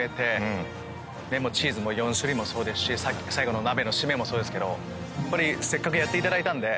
チーズの４種類もそうですし最後の鍋のシメもそうですけどせっかくやっていただいたんで。